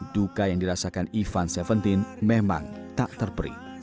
duka yang dirasakan ivan seventeen memang tak terperi